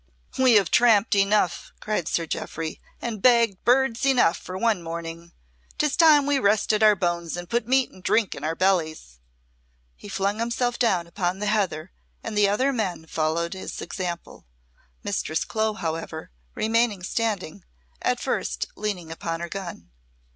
"We have tramped enough," cried Sir Jeoffry, "and bagged birds enough for one morning. 'Tis time we rested our bones and put meat and drink in our bellies." He flung himself down upon the heather and the other men followed his example. Mistress Clo, however, remaining standing, at first leaning upon her gun.